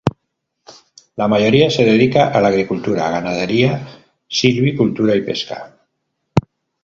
La mayoría se dedica a la agricultura, ganadería, silvicultura y pesca.